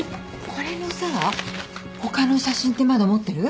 これのさ他の写真ってまだ持ってる？